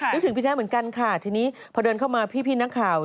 ถึงพี่แท้เหมือนกันค่ะทีนี้พอเดินเข้ามาพี่นักข่าว